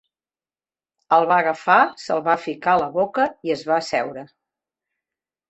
El va agafar, se'l va ficar a la boca i es va asseure.